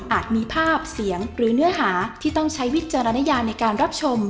มีภาพเสียงหรือเนื้อหาที่ต้องใช้วิจารณญาในการรับชม